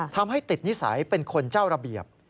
ทำให้ติดนิสัยเป็นคนเจ้าระเบียบ